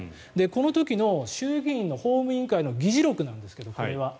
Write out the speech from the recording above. この時の衆議院の法務委員会の議事録なんですけど、これは。